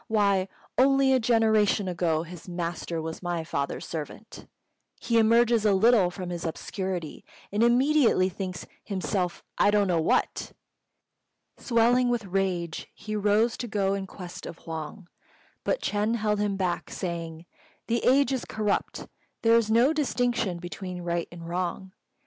Why, only a generation ago his master was my father's servant! He emerges a little from his obscurity, and immediately thinks himself I don't know what!" Swelling with rage, he rose to go in quest of Huang, but Ch'êng held him back, saying, "The age is corrupt: there is no distinction between right and wrong.